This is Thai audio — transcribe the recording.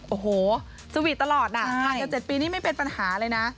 โอ้โหสวีทตลอดน่ะห่างกัน๗ปีนี่ไม่เป็นปัญหาเลยนะ